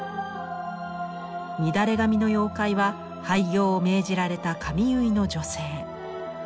乱れ髪の妖怪は廃業を命じられた髪結いの女性。